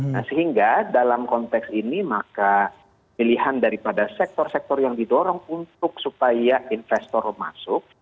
nah sehingga dalam konteks ini maka pilihan daripada sektor sektor yang didorong untuk supaya investor masuk